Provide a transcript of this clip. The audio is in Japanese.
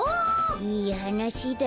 いいはなしだ。